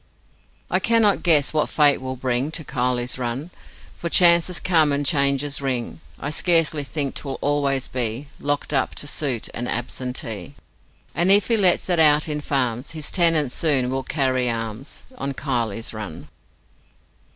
I cannot guess what fate will bring To Kiley's Run For chances come and changes ring I scarcely think 'twill always be Locked up to suit an absentee; And if he lets it out in farms His tenants soon will carry arms On Kiley's Run.